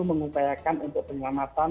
mengupayakan untuk penyelamatan